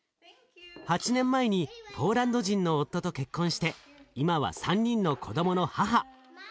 ８年前にポーランド人の夫と結婚して今は３人の子どもの母。